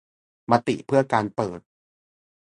มติเพื่อการเปิด